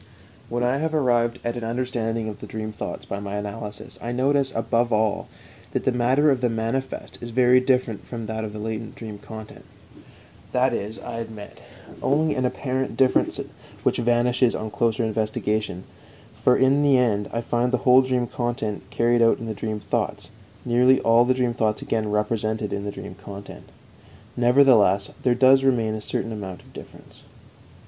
When I have arrived at an understanding of the dream thoughts by my analysis I notice, above all, that the matter of the manifest is very different from that of the latent dream content. That is, I admit, only an apparent difference which vanishes on closer investigation, for in the end I find the whole dream content carried out in the dream thoughts, nearly all the dream thoughts again represented in the dream content. Nevertheless, there does remain a certain amount of difference.